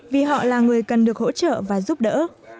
vì họ là người cần được hỗ trợ và giúp đỡ